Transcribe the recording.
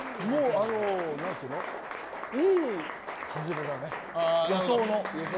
いい外れだね、予想の。